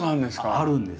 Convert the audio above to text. あるんです。